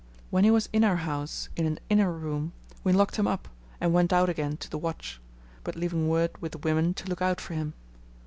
When he was in our house in an inner room, we locked him up, and went out again to the watch; but leaving word with the women to look out for him.